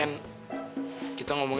ken mau aku tunjukin mawar kuning